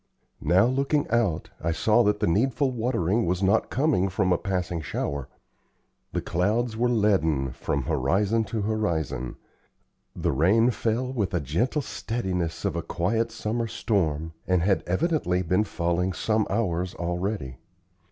Now, looking out, I saw that the needful watering was not coming from a passing shower. The clouds were leaden from horizon to horizon; the rain fell with a gentle steadiness of a quiet summer storm, and had evidently been falling some hours already.